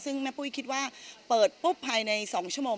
ซึ่งแม่ปุ้ยคิดว่าเปิดปุ๊บภายใน๒ชั่วโมง